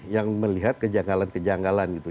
yang melihat kejanggalan kejanggalan gitu